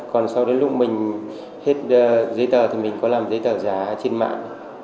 còn sau đến lúc mình hết giấy tờ thì mình có làm giấy tờ giá trên mạng